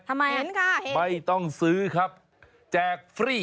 ทำไมไม่ต้องซื้อครับแจกฟรี